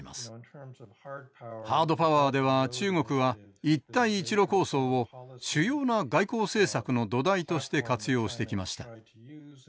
ハードパワーでは中国は一帯一路構想を主要な外交政策の土台として活用してきました。